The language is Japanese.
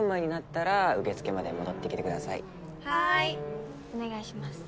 はーいお願いします